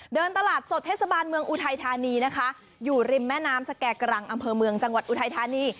ตลาดสดเทศบาลเมืองอุทัยธานีนะคะอยู่ริมแม่น้ำสแก่กรังอำเภอเมืองจังหวัดอุทัยธานี